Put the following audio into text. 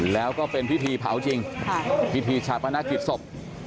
แล้วก็เป็นพิธีเผาจริงพิธีชาปนกิจศพ